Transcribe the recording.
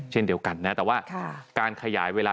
เช่นเดียวกันนะแต่ว่าการขยายเวลา